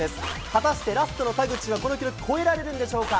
果たして、ラストの田口はこの記録、超えられるでしょうか。